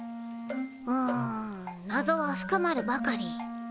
うんなぞは深まるばかり。